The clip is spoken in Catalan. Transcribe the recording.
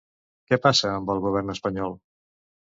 Què passa amb el govern espanyol?